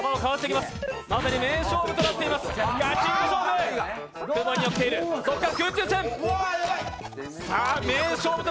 まさに名勝負となっています、ガチンコ勝負。